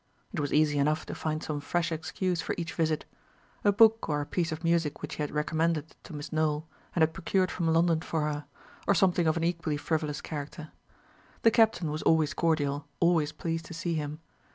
It was easy enough to find some fresh excuse for each visit a book or a piece of music which he had recommended to Miss Nowell, and had procured from London for her, or something of an equally frivolous character. The Captain was always cordial, always pleased to see him.